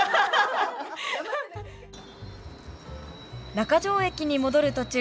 中条駅に戻る途中